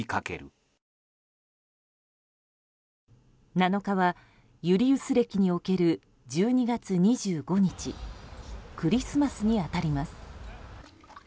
７日はユリウス暦における１２月２５日クリスマスに当たります。